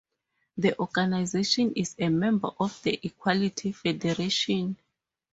The organization is a member of the Equality Federation.